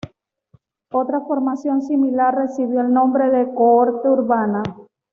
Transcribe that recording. Otra formación similar recibió el nombre de cohorte urbana.